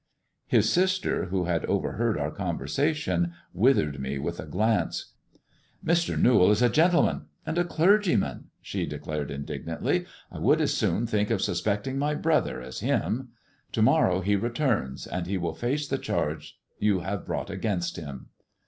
His sister, who had overheard our conversation, withered ' me with a glance. "Mr. Newall is a gentleman and a clergyman," she declared indignantly. " I would as soon think of suspecting my brother as him. To morrow he returns, and he will face the charge you have brought against him."